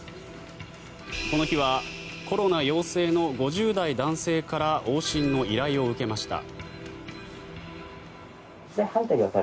この日はコロナ陽性の５０代男性から往診の依頼を受けました。